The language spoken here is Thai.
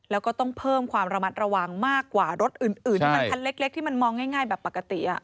แล้วก็ต้องเพิ่มความระมัดระวังมากกว่ารถอื่นที่มันคันเล็กที่มันมองง่ายแบบปกติ